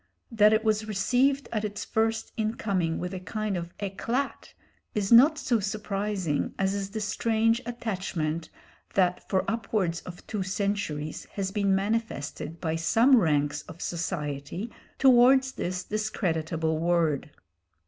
That it was received at its first incoming with a kind of éclat is not so surprising as is the strange attachment that for upwards of two centuries has been manifested by some ranks of society towards this discreditable word.